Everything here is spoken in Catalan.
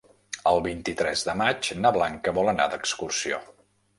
El vint-i-tres de maig na Blanca vol anar d'excursió.